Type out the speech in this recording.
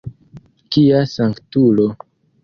Kia sanktulo!